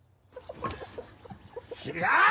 違う！